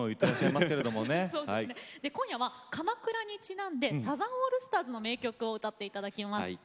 今夜は鎌倉にちなんでサザンオールスターズの名曲を歌っていただきます。